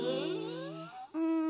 うん。